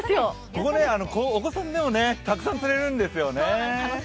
ここ、お子さんでもたくさん釣れるんですよね。